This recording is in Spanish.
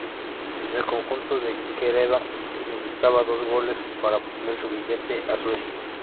El conjunto de Quereda necesitaba dos goles para obtener su billete a Suecia.